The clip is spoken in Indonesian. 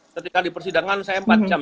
ketika di persidangan saya empat jam